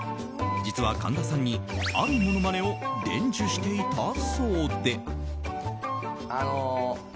実は神田さんに、あるものまねを伝授していたそうで。